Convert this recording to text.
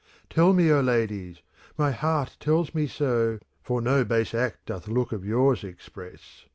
Tell me, O ladies; — my heart tells me so — For no base act doth look of yours express.